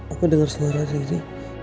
aku denger suara riri